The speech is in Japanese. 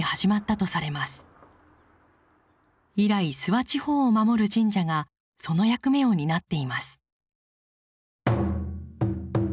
以来諏訪地方を守る神社がその役目を担っています。